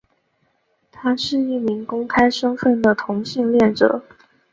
他是一名公开身份的同性恋者。